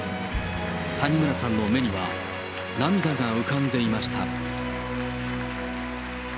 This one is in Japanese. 谷村さんの目には、涙が浮かんでいました。